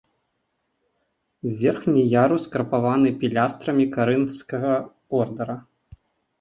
Верхні ярус крапаваны пілястрамі карынфскага ордара.